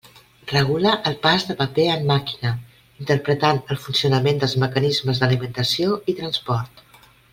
Regula el pas de paper en màquina, interpretant el funcionament dels mecanismes d'alimentació i transport.